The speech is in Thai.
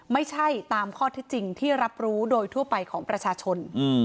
ไม่ใช่ตามข้อที่จริงที่รับรู้โดยทั่วไปของประชาชน